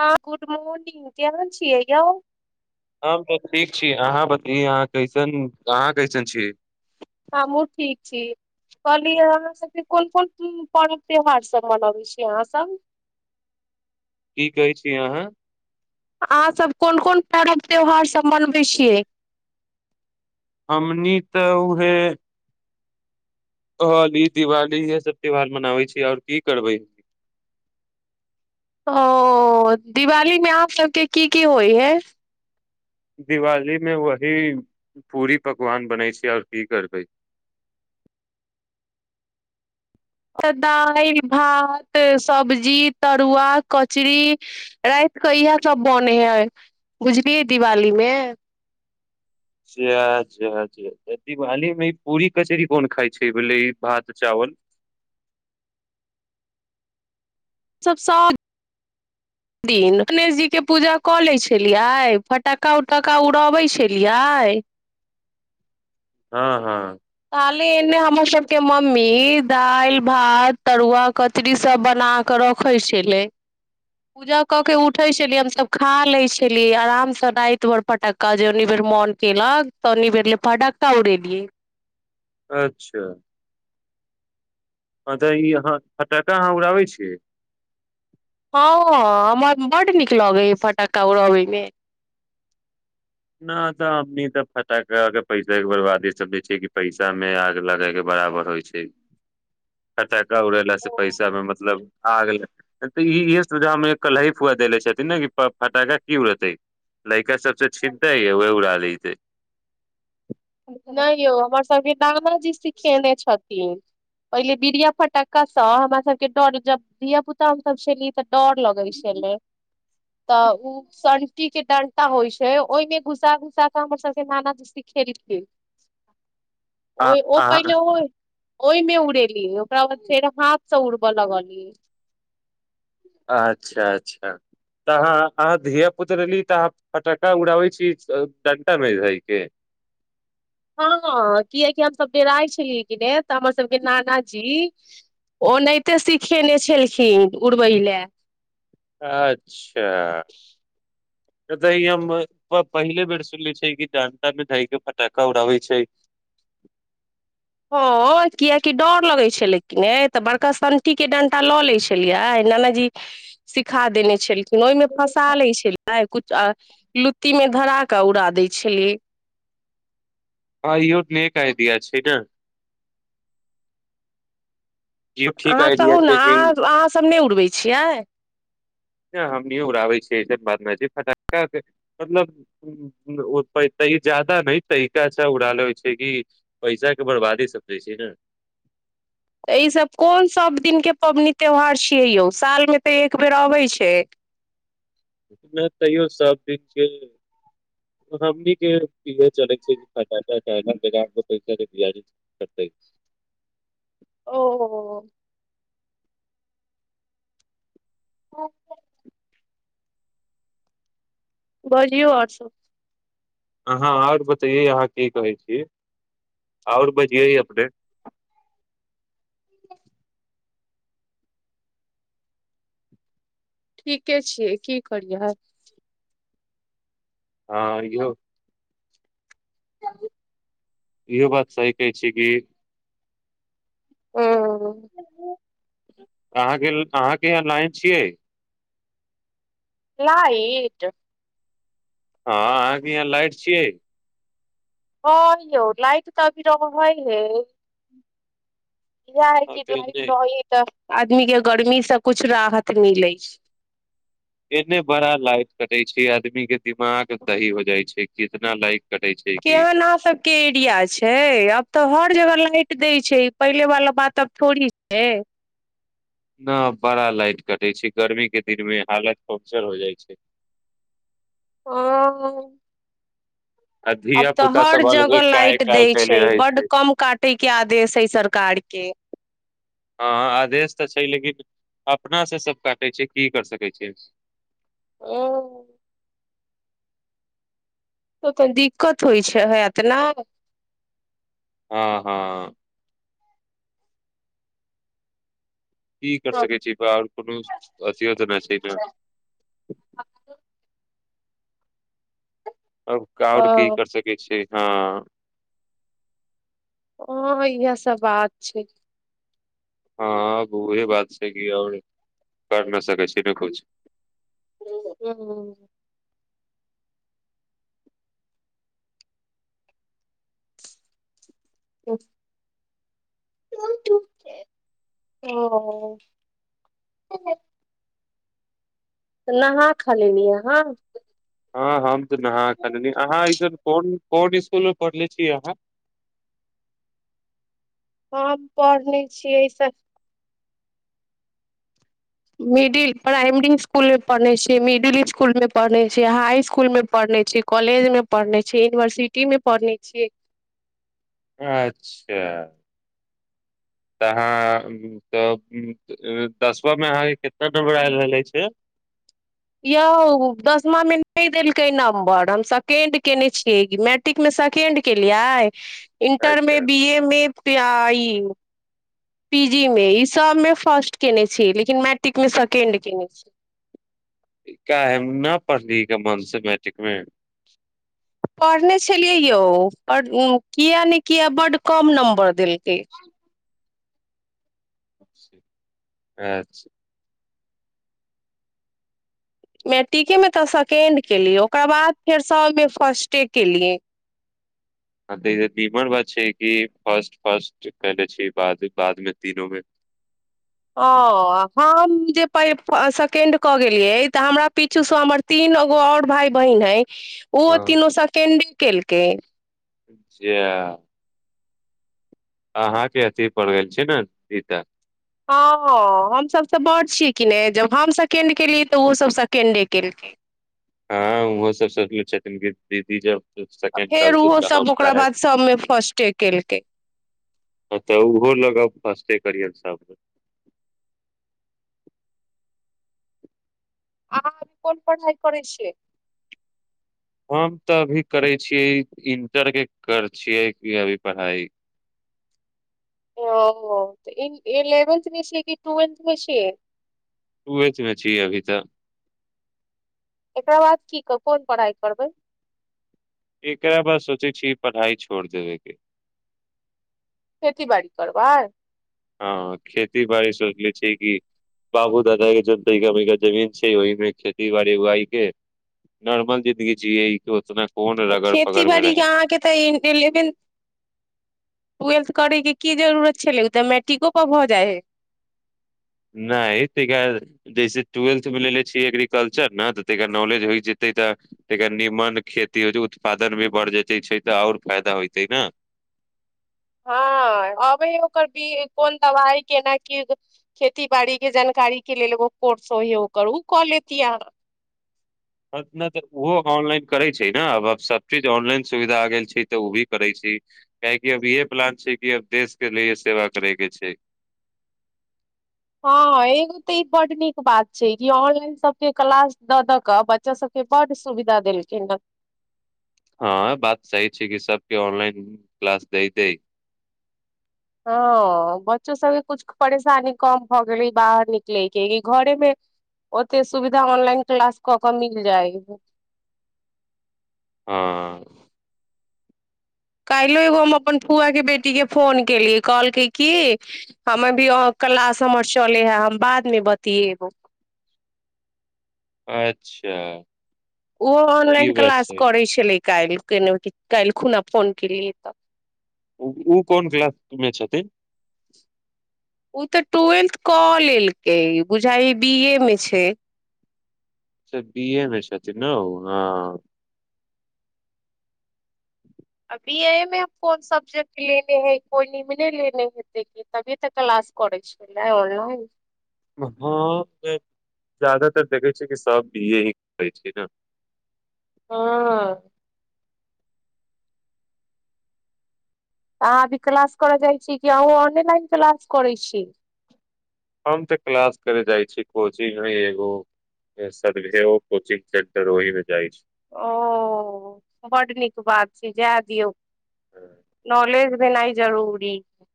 हँ good morning केहन छियै यौ हम तऽ ठीक छी अहाँ बत अहाँ कैसन अहाँ कैसन छी हमहुँ ठीक छी कहलियै अहाँ सभके कोन कोन पर्व त्यौहारसभ मनबै छियै अहाँसभ की कहै छी अहाँ अहाँसभ कोन कोन पर्व त्यौहारसभ मनबै छियै हममनी तऽ उहे होली दिवाली इएहसभ त्यौहार मनाबै छी आओर की करबै ओ दिवालीमे आह सभके की की होइ हइ दिवालीमे वही पूरी पकवान बनै छै आओर की करबै तऽ दालि भात सब्जी तरुआ कचरी रात कऽ इएहसभ बनै हइ बुझलियै दिवालीमे सेच्छा अच्छा दिवाली मे ई पूरी कचहरी कोन खााय छै बोले ई भात चावल सभ साग दिन गणेश जीके पूजा कऽ लै छलियै फटक्का उटक्का उड़बै छलियै हँ हँ खाले एने हमरसभके मम्मी दालि भात तरुआ कचरीसभ बनाकऽ रखैत छलै पूजा कऽ के उठैत छलियै हमसभ खा लैत छलियै आरामसँ राति भरि फटक्का जे ओनि बेर मोन केलक त ओनी बेर फटक्का उड़ेलियै अच्छा हँ तऽ ई अहाँ फटाका अहाँ उड़ाबै छियै हँ बड नीक लगे फटक्का उड़बै मे न तऽ अमनी तऽ फटा के पैसा के बर्बादी सब छै कि पैसा मे आग लगे के बराबर होइ छै फटा उड़ेलास से पैसा मे मतलब आ गेले तऽ इहे सुझा कलही फुआ देेले छथिन ने कि फटाका की उ रहतै लड़का सबस ठीक उड़ाबै छै नहि यौ हमर सबके दाजी सिखेने छथि पहिले बीरिया फटक्काँ हमर सबके डर जब धिय पुता हमसभ छलेली तऽ डर लगै छलै तऽ ओ कुटी के डंता होइ छै ओहिमें घुसा घुसा के हमर सभ के नाना जस्ती खेलैत गेल आ ओहि ओ पहिल अहाँ होइ ओहिमे उड़ेली ओकरा बाद फेर हाथसँ उड़बय लगली अच्छा अच्छा तऽह अहाँ धिय पुता अली तऽ अहाँ फटक्का उड़ाबै छी डंटा मे भयके हँ ह कियाकि हमसभ डेराइ छलियै कि नहि तऽ हमरसभके नानाजी ओनाहिते सिखेने छलखिन उड़बै लए अच्छा तऽ दही हम पहिले बेर सुनले छियै कि डानटा मे धैय के फटाखा उड़ाबै छै हॅ कियकि डर लगै छलै कि ने तऽ बड़का सन्टी के डंटा लऽ लै छलियै नानाजी सिखा देने छलियै ओहिमे फसा ले छल कुछ लुत्ती मे धरा कऽ उड़ा दै छली ओहो नीक आइडिया छै ने इहो ठीक अहाँ आइडिया कहू ने छै कि अहाँ सब नहि उड़बै छी छियै हम भी उड़ाबै छियैस बात छै फटका मतलब जादा नहि एना उड़ालेइ छै कि पैसाके बर्बादे सबै छै ने ऽ ईसभ कोन सभ दिनके पाबनि त्यौहार छियै यौ सालमे तऽ एक बेर अबै छै नहि तैयो सब दिन के हमनी के इह चलै छैटा पैसतै ओ ओ बजियौ आओर स अहाँ आओर बतैयै अहाँ की कहै छी आओर बजियै अपने ठीके छियै की करियह हँर य इहो बात सही कहै छी कि ह अहाँके अहाँके यहां लाइन छियै लाइट हँ अहाँके यहाँ लाइट छियै ह यौ लाइट तऽ अभी र हइ हे इ आर हँ क तऽ एने रह तऽ आदमी के गर्मीसँ कुछ राहत मिलै एने बड़ा लाइट कटे छै आदमी के दिमाग दही हो जाइ छै कितना लाइट कटे छै कि केहना सब के एरिया छै आब तऽ हर जगह लाइट दै छै छै पहिले वाला बात आब थोड़ी छै न बड़ा लाइट कटै छै गर्मी के दिन मे हालत पंमचर हो जाइ छै ह आ आब धिया तऽ पुता हर सब अलगे जगह काय लाइट दै काय छै। कले रहे बड्ड कम काटयके आदेश हइ सरकार के अपनासँ सभ काटै छै। की करि सकै छै। ओ त तऽ दिक्कत होइ छै हत नहि ह हँ क कर सकै छी आओर कोनो अथ यो जेना छै ने आ आओर की ओ कर सकै छिय हँ ह इहसभ बात छै। हँ ब ह बात कर न सकै छै नकु ह ओ नहा खाली न ह हँ हँ हम नहा कल अहाँ ई न कोन इसकुल मे पढ़ले छी अहाँ ह पढ़ने छियै ऐस मिडिल प्राइमरी इसकुलमे पढ़ने छियै मिडिल इसकुलमे पढ़ने छियै हाई इसकुलमे पढ़ने छियै कॉलेजमे पढ़ने छियै यूनिवर्सिटीमे पढ़ने छियै अच्छा तऽ अहाँ तऽ दसमामे अहाँके कतना नम्बर आयल रहलै छै यौ दसमामे नहि देलकै नम्बर हम सेकेण्ड कयने छियै मैट्रिकमे सेकेण्ड केलियै इंटर मे अच्छा बी ए मे प आइ पी जी मे ईसभमे फर्स्ट कयने छी लेकिन मैट्रिकमे सेकेण्ड कयने छी एक काहम न पढ़ने का मन से मैट्रिक में पढ़ने छलियै यौ किया ने किया बड कम नम्बर देल त अछि मैट्रिकेमे तऽ सेकेण्ड केली ओककर बाद फेर सभमे फर्स्टे केलियै हँ तऽ ई तीमर बात छै कि फर्स्ट फर्स्ट कले छी बाद बादमे तीनोमे ओ हम जे प सेकेण्ड कऽ गेलियै तऽ हमरा पीछुसँ हमर तीन एगो आओर भाय बहिन अइ ओहो हँ तीनू सेकेण्डे केलकै जा अहाँके अथिी प गेलल छै। ने रीता हँ हमसभ तऽ बड़ छियै कि नहि जब हम सेकेण्ड केलियै तऽ ओसभ सेकेण्डे केलकै हँ ओहो सभ सोचले छथिन कि दीदी जब आ फेर ओहो सब ओकरा बाद सबमे फर्स्टे केलकै तऽ ओहो लग करिय सा आ अी कोन पढ़ाइ करै छियै हम तऽ अभी करै छियै इंटर के कर छियै कि अभी पढ़ाई ओ इलेवेन्थमे छै कि ट्वेल्थमे छै? ट्वेल्थमे छी अभी तऽ एकरा बाद की कह कोन पढ़ाइ करबै एकरा बात सोचै छी पढ़ाई छोड़ देबके खेती बाड़ी करबार हँ खेती बाड़ी सोचले छी कि बाबू दादा के जना मा जमीन छै ओहिमे खेती बाड़ी उइ के नॉर्मल जिंन्दगी जिय के उतना कोन रगड़ खेती पगड़ मे बाड़ी के रहे अहाँके तऽ एलेवें टेलथ करय के की जरूरत छलै ओ तऽ मैट्रिको पर भऽ जाइ है नहि ता जैसे ट्वेल्थमे लेले छियै एग्रीकल्चर ने तऽ ता नॉलेज होय जेतै तऽ तर नीमन खेती हो उत्पादन भी बढ़ जतै छै। तऽ आओर फायदा होइतै ने हँ अबै हइ ओकर कोन दबाइ केना की खेती बाड़ी के जानकारी के लेल एगो कोर्स होइ हे ओकर ओ कऽ लेत अ ह नहि तऽ ओहो ऑनलाइन करै छै ने आब आब सभ चीज ऑनलाइन सुविधा आ गेल छै तऽ ओ भी करै छै काहेकि अब इहे प्लान छै कि अब देशके लिए सेवा करैके छै हँ एगो तऽ ई बड्ड नीक बात छै कि ऑनलाइन सभके क्लास दऽ दऽ कऽ बच्चा सभके बड्ड सुविधा देलखिन रह हँ बात सही छै। कि सबके ऑनलाइन क्लास द दै हँ बच्चो सभके किछु परेशानी कम भऽ गेलै बाहर निकलयके कि घरेमे ओतेक सुविधा ऑनलाइन क्लास कऽ कऽ मिल जाय हँ काल्हिो एगो हम अपन फुआके बेटीके फोन केलियै कहलकै कि हम अभी क्लास हमर चलै हए हम बादमे बतियै एगो अच्छा ओहो ई ऑनलाइन बात क्लास छै करै छलै कइल के नहि कालल खुना फोन कल तऽ ओ कोन क्लासमे छथिन ओ तऽ ट्वेल्थ कऽ लेलकै बुझाइ बी ए मे छै से बीए मे छथिन नेौ हँ अभी ए मे कोन सब्जेक्ट लेने है कोइ लेने हेतै तभी तऽ क्लास करै छल ऑनलाइन हँ जादातर देखै छियै कि सभ इ ही करै छै ने ह अहाँ अ भी क्लास करऽ जाइ छी कि अहूँ ऑनलाइन क्लास करै छी। हम त क्लास करे जाइ छी कोचिंग मे एगो सर्वे कोचिंग सेंटर ओहि मे जाइ छी ओ ब्ड नीक बात छै जाए दियौ छी नॉलेज भी नहि जरूरी छै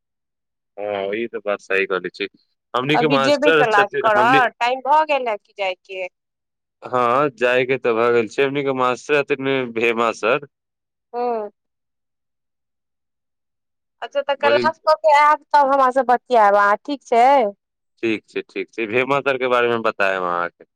हँ ई तऽ बात सह कह छै अभी जेबे कलास करऽ टाइम भऽ गेल हे कि जायके हँ जायके तऽ भए गेल छै। एनीके मर भेमाासर हँ अच्छा तऽ बड़ी क्लास कऽ के आयब तब हमर से बतियाब आ ठीक छै। ठीक छै। ठीक छै। भेमा तर के बारेमे बतायब अहाँके